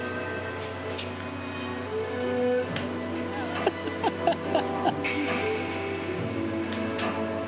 ハハハハハ！